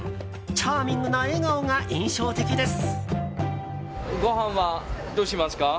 チャーミングな笑顔が印象的です。